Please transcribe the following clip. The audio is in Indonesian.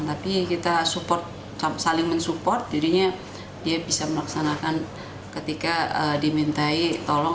tapi kita support saling mensupport jadinya dia bisa melaksanakan ketika dimintai tolong